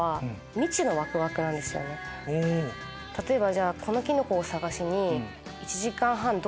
例えば。